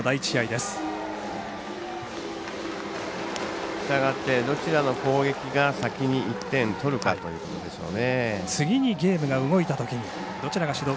したがってどちらの攻撃が先に１点を取るかということでしょうね。